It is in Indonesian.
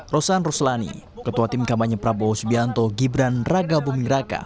rosan ruslani ketua tim kampanye prabowo subianto gibran raka buming raka